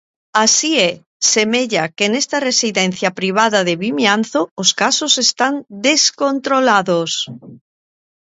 Así é, semella que nesta residencia privada de Vimianzo os casos están descontrolados.